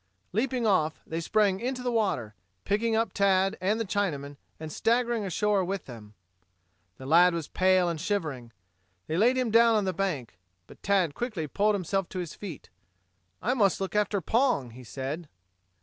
Leaping off, they sprang into the water, picking up Tad and the Chinaman and staggering ashore with them. The lad was pale and shivering. They laid him down on the bank. But Tad quickly pulled himself to his feet. "I must look after Pong," he said.